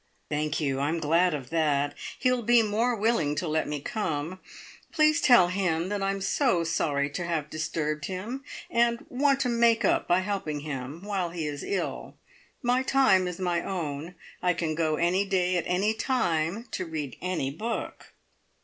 "Thank you. I'm glad of that. He'll be more willing to let me come. Please tell him that I'm so sorry to have disturbed him, and want to `make up' by helping him while he is ill. My time is my own. I can go any day at any time to read any book."